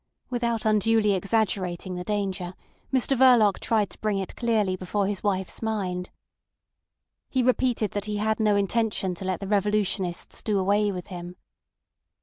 Without unduly exaggerating the danger, Mr Verloc tried to bring it clearly before his wife's mind. He repeated that he had no intention to let the revolutionists do away with him.